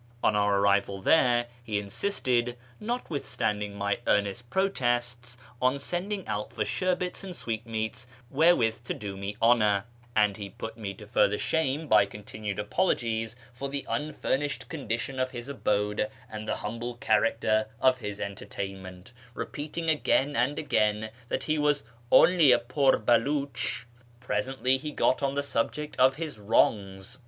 On our arrival there he insisted, notwithstanding my earnest protests, on sending out for sherbets and sweetmeats wherewith to do me honour, and he put me to further shame by continued apologies for the unfurnished condition of his abode and the humble character of his entertainment, repeating again and again that he was " only a poor Beliich." Presently he got on the subject of his wrongs.